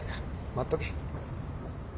待っとけ。